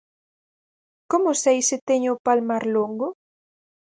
Como sei se teño o palmar longo?